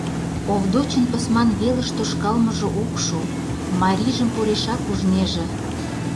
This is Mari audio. Овдочын пысман велыш тошкалмыже ок шу, марийжым порешак ужнеже.